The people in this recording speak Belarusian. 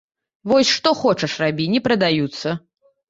Вось што хочаш рабі, не прадаюцца.